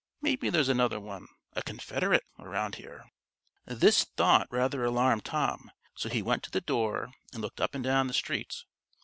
Maybe there's another one a confederate around here." This thought rather alarmed Tom, so he went to the door, and looked up and down the street.